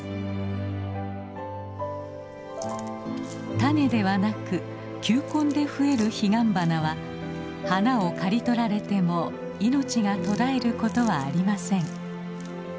種ではなく球根で増えるヒガンバナは花を刈り取られても命が途絶えることはありません。